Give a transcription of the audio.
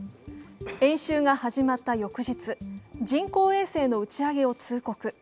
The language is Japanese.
演習が始まった翌日、人工衛星の打ち上げを通告。